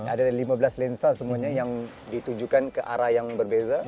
ada lima belas lensa semuanya yang ditujukan ke arah yang berbeda